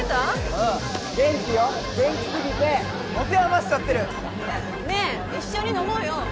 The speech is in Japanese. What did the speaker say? うん元気よ元気すぎてもてあましちゃってる！ねぇ一緒に飲もうよ